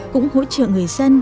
cũng hỗ trợ người dân